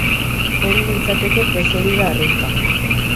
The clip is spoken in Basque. Hori litzateke prozedura arrunta.